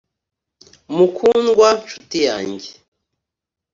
mukundwa, nshuti yanjye,